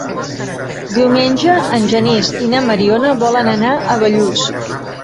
Diumenge en Genís i na Mariona volen anar a Bellús.